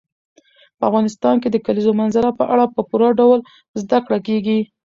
په افغانستان کې د کلیزو منظره په اړه په پوره ډول زده کړه کېږي.